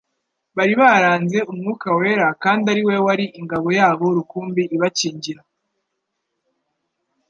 bari baranze Umwuka wera kandi ari we wari ingabo yabo rukumbi ibakingira.